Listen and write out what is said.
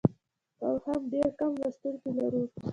او هم ډېر کم لوستونکي لرو.